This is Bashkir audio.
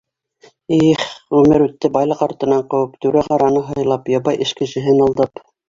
Их-х. Ғүмер үтте байлыҡ артынан ҡыуып, түрә-ғараны һыйлап, ябай эш кешеһен алдап...